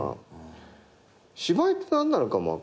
芝居って何なのかも分かんないから。